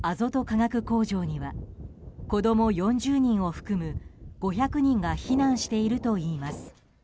化学工場には子供４０人を含む５００人が避難しているといいます。